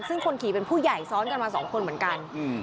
ซึ่งคนขี่เป็นผู้ใหญ่ซ้อนกันมาสองคนเหมือนกัน